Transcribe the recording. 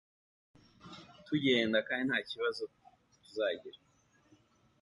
tugenda kandi ntakindi kibazo tuzagira"